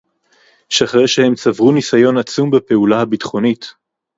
שאחרי שהם צברו ניסיון עצום בפעולה הביטחונית